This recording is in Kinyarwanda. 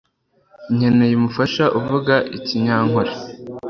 Nkeneye umufasha uvuga ikinyakore